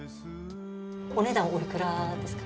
お値段、おいくらですか。